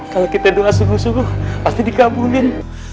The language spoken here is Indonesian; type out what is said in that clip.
kalau kita doa sungguh sungguh pasti dikabulin